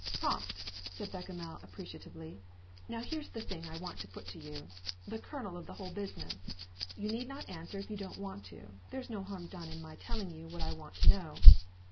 "Prompt," said Bechamel, appreciatively. "Now here's the thing I want to put to you the kernel of the whole business. You need not answer if you don't want to. There's no harm done in my telling you what I want to know.